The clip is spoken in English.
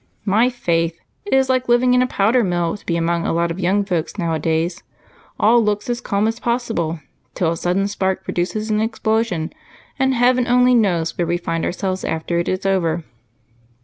My faith it is like living in a powder mill to be among a lot of young folks nowadays! All looks as calm as possible till a sudden spark produces an explosion, and heaven only knows where we find ourselves after it is over."